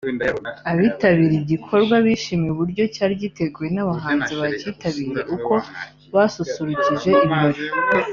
Abitabiriye igikorwa bishimiye uburyo cyari giteguwe n’abahanzi bacyitabiriye uko basusurukije ibirori